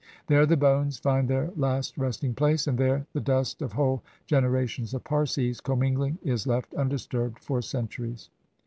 There the bones find their last resting place, and there the dust of whole generations of Parsis commingling is left undisturbed for centuries.